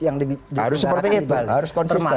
harus seperti itu harus konsisten